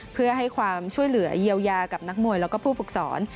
เพื่อให้ความช่วยเหลือเยียวยากับนักมวยแล้วก็ผู้ฝึกสอน